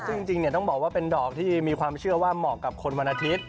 ซึ่งจริงต้องบอกว่าเป็นดอกที่มีความเชื่อว่าเหมาะกับคนวันอาทิตย์